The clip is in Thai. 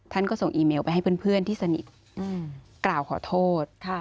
ท่านก็ส่งอีเมลไปให้เพื่อนที่สนิทกล่าวขอโทษ